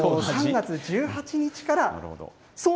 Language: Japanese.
３月１８日から。